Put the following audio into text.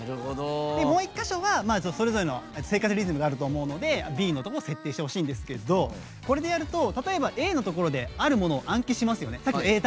もう一箇所、それぞれの生活リズムがあるんでＢのとこを設定してほしいんですけどこれでやると、例えばＡであるものを暗記しますよね。